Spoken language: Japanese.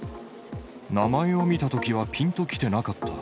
名前を見たときはぴんときてなかった。